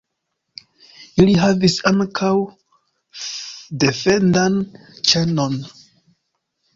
Ili havis ankaŭ defendan ĉenon.